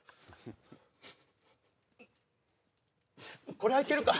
これはいけるか？